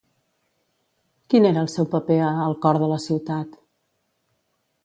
Quin era el seu paper a “El cor de la ciutat”?